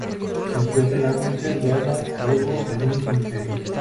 Se encuentran en África: Ghana, Togo, Benín y Nigeria.